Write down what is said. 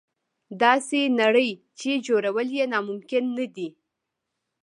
داسې نړۍ چې جوړول یې ناممکن نه دي.